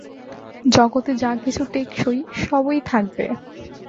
জগতে যা-কিছু টেকসই সবই থাকবে।